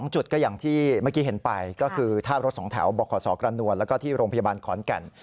จุดก็อย่างที่เมื่อกี้เห็นไปก็คือท่ารถ๒แถวบขศกระนวลแล้วก็ที่โรงพยาบาลขอนแก่น